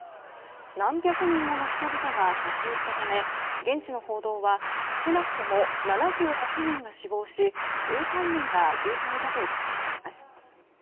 何百人もの人々が殺到したため現地の報道は少なくとも７８人が死亡し１３人が重体だと伝えています。